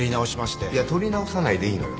いや取り直さないでいいのよ。